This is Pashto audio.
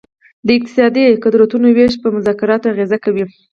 د اقتصادي قدرتونو ویش په مذاکراتو اغیزه کوي